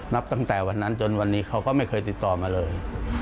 นับตั้งแต่วันนั้นจนวันนี้เขาก็ไม่เคยติดต่อมาเลย